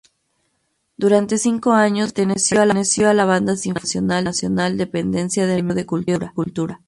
Durante cinco años perteneció a la Banda Sinfónica Nacional, dependencia del Ministerio de Cultura.